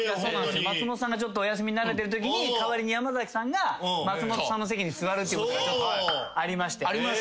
松本さんがお休みになられてるときに代わりに山崎さんが松本さんの席に座るってことがちょっとありまして。